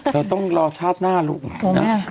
เราต้องรอชาติหน้าลูกใหม่นะ